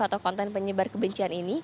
atau konten penyebar kebencian ini